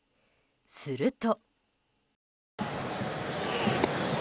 すると。